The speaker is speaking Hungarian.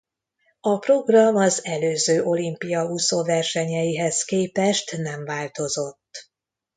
A program az előző olimpia úszóversenyeihez képest nem változott.